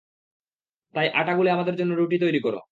তাই আটা গুলে আমাদের জন্য রুটি তৈরী কর।